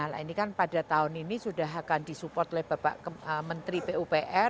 nah ini kan pada tahun ini sudah akan disupport oleh bapak menteri pupr